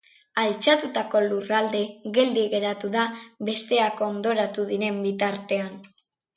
Altxatutako lurralde geldi geratu da besteak hondoratu diren bitartean.